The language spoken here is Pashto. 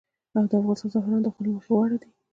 د افغانستان زعفران د خوند له مخې غوره دي